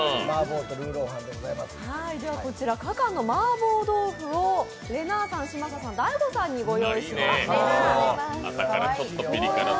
こちら、かかんの麻婆豆腐をれなぁさん、嶋佐さん、大悟さんにご用意しました。